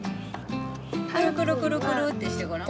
くるくるくるくるってしてごらん。